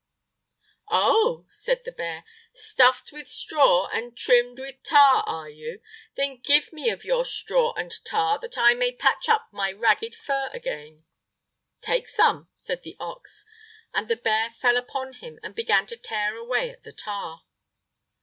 "Oh!" said the bear, "stuffed with straw and trimmed with tar, are you? Then give me of your straw and tar, that I may patch up my ragged fur again!" "Take some," said the ox, and the bear fell upon him and began to tear away at the tar.